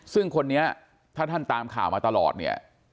ซึ่งคนนี้ถ้าท่านตามข่าวมาตลอดเนี่ย